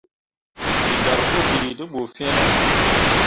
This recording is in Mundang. Wǝ ɗwak wo ki te ɓu fine ?